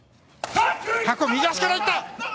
白鵬右足からいった！